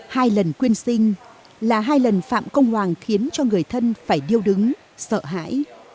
hai lần quyên sinh là hai lần phạm công hoàng khiến cho người thân phải điêu đứng sợ hãi